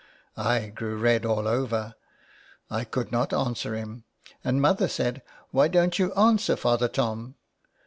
I grew red all over. I could not answer him, and mother said, ' Why don't you answer Father Tom